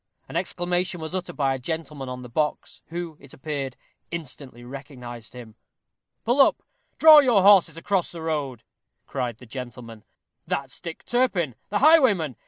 An exclamation was uttered by a gentleman on the box, who, it appeared, instantly recognized him. "Pull up draw your horses across the road!" cried the gentleman; "that's Dick Turpin, the highwayman.